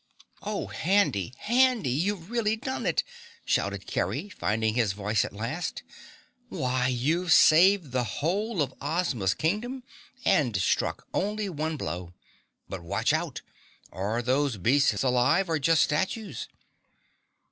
"Oh, Handy, HANDY, you've really done it!" shouted Kerry, finding his voice at last. "Why, you've saved the whole of Ozma's Kingdom and struck only one blow! But watch out are those beasts alive or just statues?"